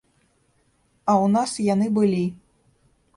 А ў нас яны былі.